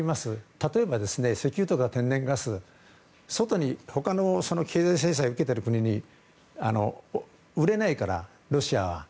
例えば、石油や天然ガスを他の経済制裁を受けている国に売れないから、ロシアは。